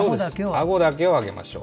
あごだけを上げましょう。